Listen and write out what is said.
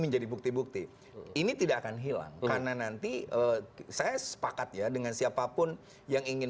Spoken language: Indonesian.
menjadi bukti bukti ini tidak akan hilang karena nanti saya sepakat ya dengan siapapun yang ingin